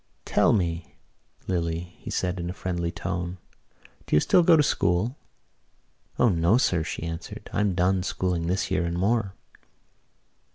"Tell me, Lily," he said in a friendly tone, "do you still go to school?" "O no, sir," she answered. "I'm done schooling this year and more."